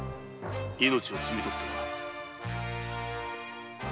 命を摘み取っては。